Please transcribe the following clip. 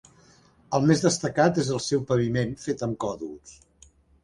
El més destacat és el seu paviment, fet amb còdols.